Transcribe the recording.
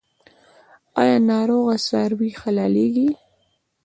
آیا ناروغه څاروي حلاليږي؟